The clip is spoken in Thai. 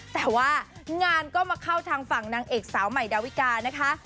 แต่ว่างานก็มาเข้าทางฝั่งนางเอกสาวใหม่ดาวิกานะคะ